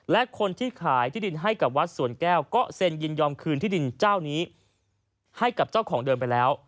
และคนที่ขายที่ดินให้กับวัดสวนแก้วก็เซ็นยินยอมคืนที่ดินเจ้านี้ให้กับเจ้าของเดิมไปแล้ว